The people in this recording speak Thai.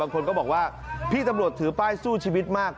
คนก็บอกว่าพี่ตำรวจถือป้ายสู้ชีวิตมาก